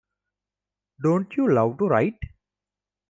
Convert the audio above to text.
Don't you love to ride?